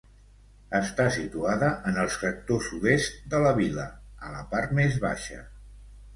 Està situada en el sector sud-est de la vila, a la part més baixa.